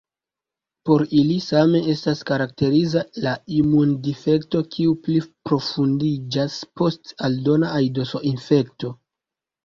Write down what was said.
Por ili same estas karakteriza la imundifekto, kiu pliprofundiĝas post aldona aidoso-infekto.